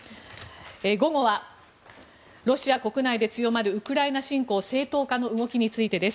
午後はロシア国内で強まるウクライナ侵攻正当化の動きについてです。